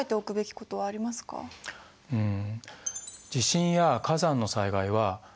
うん。